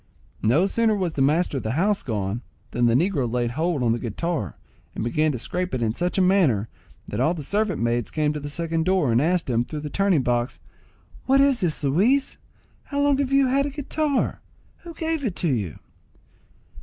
No sooner was the master of the house gone, than the negro laid hold on the guitar, and began to scrape it in such a manner, that all the servant maids came to the second door, and asked him, through the turning box, "What is this, Luis? How long have you had a guitar? Who gave it you?"